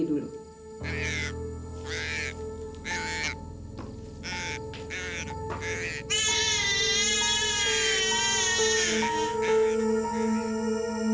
dan saya akan menemukan bung